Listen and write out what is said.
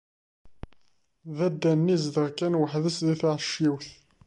Dadda-nni izdeɣ kan weḥd-s di tɛecciwt.